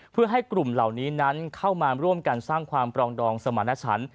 เพื่อให้กลุ่มเหล่านี้นั้นเข้ามาร่วมกันสร้างความปรองดองสมรรถฉัน